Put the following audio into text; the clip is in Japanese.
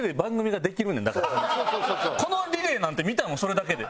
このリレーなんて見たいもんそれだけで。